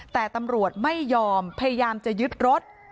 แต่ตำรวจไม่ยอมพยายามจะยึดรถ